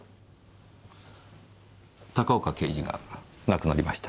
高岡刑事が亡くなりました。